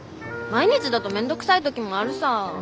毎日だと面倒くさい時もあるさー。